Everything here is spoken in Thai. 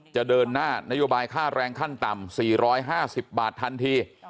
จะเดินหน้านโยบายค่าแรงขั้นต่ำ๔๕๐บาททันที